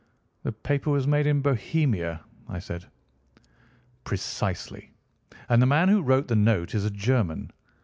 "The paper was made in Bohemia," I said. "Precisely. And the man who wrote the note is a German.